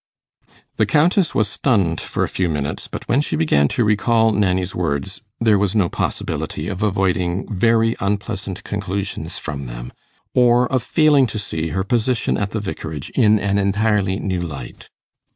The Countess was stunned for a few minutes, but when she began to recall Nanny's words, there was no possibility of avoiding very unpleasant conclusions from them, or of failing to see her position at the Vicarage in an entirely new light.